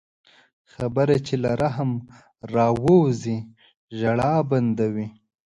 خبره چې له رحم راووځي، ژړا بندوي